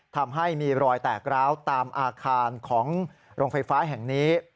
ทำให้มีรอยแตกร้าวตามอาคารของโรงไฟฟ้าแห่งนี้